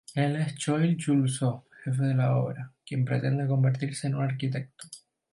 Él es Choi Chul-soo, jefe de la obra, quien pretende convertirse en un arquitecto.